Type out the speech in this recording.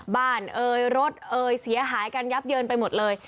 เอ่ยรถเอ่ยเสียหายกันยับเยินไปหมดเลย